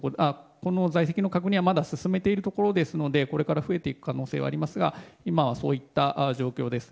この在籍の確認はまだ進めているところですのでこれから増えていく可能性はありますが今はそういった状況です。